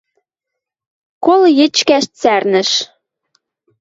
Кол йӹчкӓш цӓрнӹш.